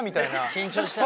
緊張した。